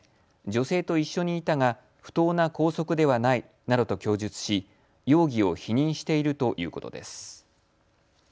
女性と一緒にいたが不当な拘束ではないなどと供述し容疑を否認しているということです。